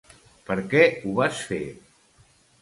Per què ho vas fer?